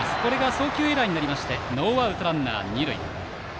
送球エラーになりましてノーアウトランナー、二塁。